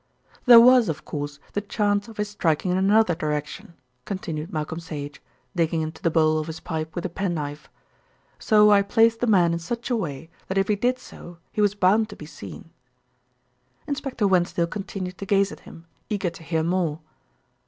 "There was, of course, the chance of his striking in another direction," continued Malcolm Sage, digging into the bowl of his pipe with a penknife, "so I placed the men in such a way that if he did so he was bound to be seen." Inspector Wensdale continued to gaze at him, eager to hear more.